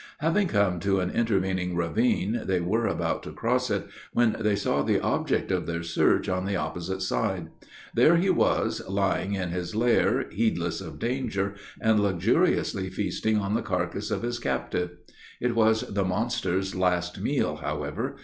Having come to an intervening ravine, they were about to cross it, when they saw the object of their search on the opposite side. There he was, lying in his lair, heedless of danger, and luxuriously feasting on the carcass of his captive. It was the monster's last meal, however.